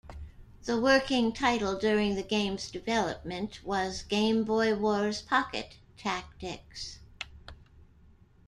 The working title during the game's development was "Game Boy Wars Pocket Tactics".